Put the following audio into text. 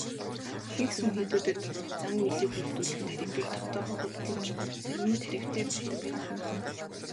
Ихэнх сүм хийдүүдэд зан үйлийг үйлдүүлэх тарифыг тогтоогоогүй боловч зарим нь тарифтай байдаг байна.